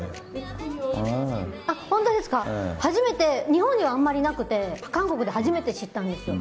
日本にはあまりなくて韓国で初めて知ったんですよ。